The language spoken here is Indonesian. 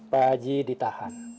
pak haji ditahan